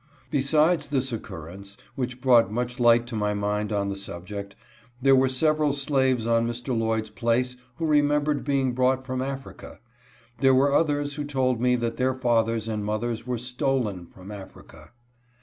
Besides this occurrence, which brought much light to my mind on the subject, there were several slaves on Mr. Lloyd's place who remembered being brought from Africa. There were others who told me that their fathers and mothers were stolen from Africa.